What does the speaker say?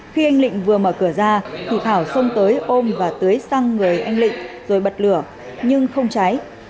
khi anh lĩnh vừa mở cửa ra thì thảo xông tới ôm và tưới sang người anh lịnh rồi bật lửa nhưng không cháy